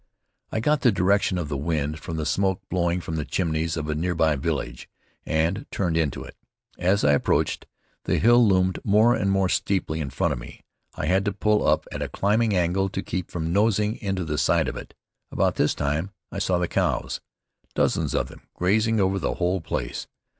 I got the direction of the wind from the smoke blowing from the chimneys of a near by village, and turned into it. As I approached, the hill loomed more and more steeply in front of me. I had to pull up at a climbing angle to keep from nosing into the side of it. About this time I saw the cows, dozens of them, grazing over the whole place.